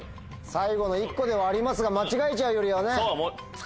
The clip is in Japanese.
最後の１個ではありますが間違えちゃうよりはね。